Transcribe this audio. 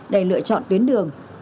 để lựa chọn tuyến đường